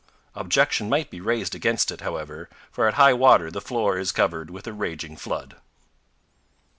Objection might be raised against it, however, for at high water the floor is covered with a raging flood.